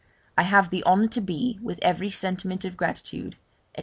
'I have the honour to be, with every sentiment of gratitude, &c.